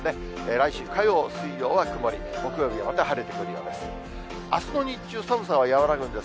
来週火曜、水曜は曇り、木曜日がまた晴れてくるようです。